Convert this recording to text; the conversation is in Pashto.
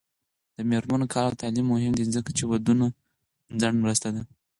د میرمنو کار او تعلیم مهم دی ځکه چې ودونو ځنډ مرسته ده